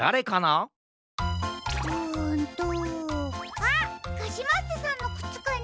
あっカシマッセさんのくつかな？